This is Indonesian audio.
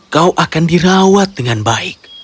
kau akan dirawat dengan baik